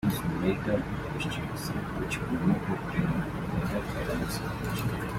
Chris later took questions, which prompted Taylor to attack Adams with a chair.